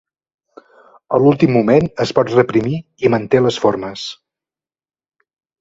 A l'últim moment es pot reprimir i manté les formes.